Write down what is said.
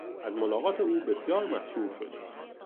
از ملاقات او بسیار مسرور شدیم!